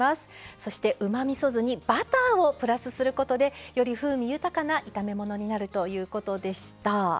そしてうまみそ酢にバターをプラスすることでより風味豊かな炒め物になるということでした。